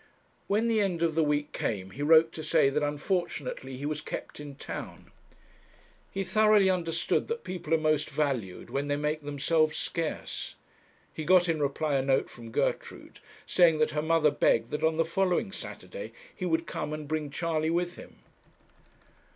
When the end of the week came he wrote to say that unfortunately he was kept in town. He thoroughly understood that people are most valued when they make themselves scarce. He got in reply a note from Gertrude, saying that her mother begged that on the following Saturday he would come and bring Charley with him.